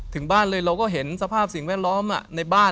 ถึงบ้านเลยเราก็เห็นสภาพสิ่งแวดล้อมในบ้าน